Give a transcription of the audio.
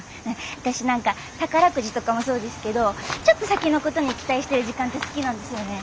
私何か宝くじとかもそうですけどちょっと先のことに期待してる時間って好きなんですよね。